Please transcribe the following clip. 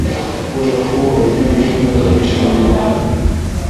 ugonjwa huu haujengi kinga thabiti mwilini